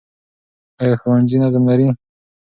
ایا ښوونځي نظم لري؟